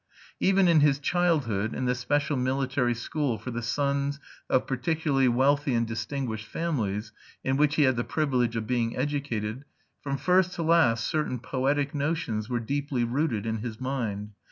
Even in his childhood, in the special military school for the sons of particularly wealthy and distinguished families in which he had the privilege of being educated, from first to last certain poetic notions were deeply rooted in his mind.